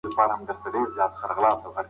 موږ باید په خپله خاوره کې پرمختګ وکړو.